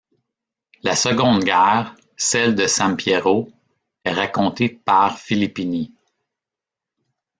La seconde guerre, celle de Sampiero, est racontée par Filippini.